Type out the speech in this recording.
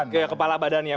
ya kepala badannya